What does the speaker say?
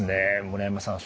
村山さん